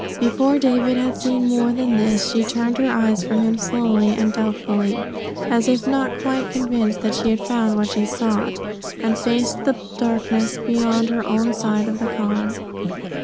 Before David had seen more than this she turned her eyes from him slowly and doubtfully, as if not quite convinced that she had found what she sought, and faced the darkness beyond her own side of the car.